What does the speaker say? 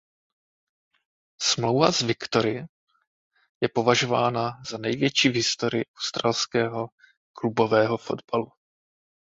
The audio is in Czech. Smlouva s Victory je považována za největší v historii australského klubového fotbalu.